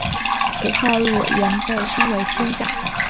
此套路原被称为新架。